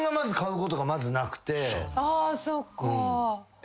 あそうか。